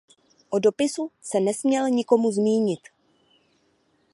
O dopisu se nesměl nikomu zmínit.